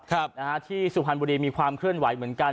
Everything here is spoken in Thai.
ครับนะฮะที่สุพรรณบุรีมีความเคลื่อนไหวเหมือนกัน